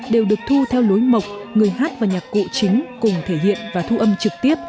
đều được thu theo lối mộc người hát và nhạc cụ chính cùng thể hiện và thu âm trực tiếp